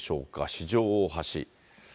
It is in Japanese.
四条大橋。